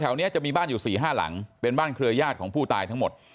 นี้จะมีบ้านอยู่๔๕หลังเป็นบ้านเครือญาติของผู้ตายทั้งหมด